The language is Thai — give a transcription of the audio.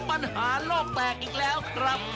ปัญหาโลกแตกอีกแล้วครับ